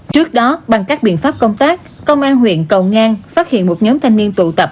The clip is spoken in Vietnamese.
trước đó bằng các biện pháp công tác công an huyện cầu ngang phát hiện một nhóm thanh niên tụ tập